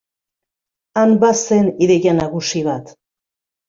Han bazen ideia nagusi bat.